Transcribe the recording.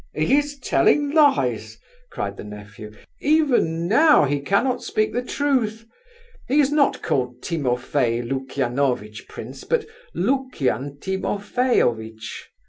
"He is telling lies!" cried the nephew. "Even now he cannot speak the truth. He is not called Timofey Lukianovitch, prince, but Lukian Timofeyovitch.